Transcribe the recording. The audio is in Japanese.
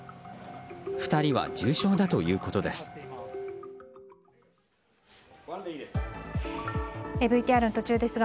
２人は重傷だということです。